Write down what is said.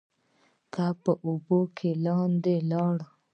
کب په اوبو کې لاندې لاړ.